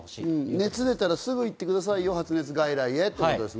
熱出たらすぐ行ってくださいよ、発熱外来へということですね。